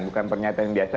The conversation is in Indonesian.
bukan pernyataan yang biasa